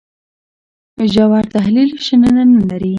ژور تحلیل شننه نه لري.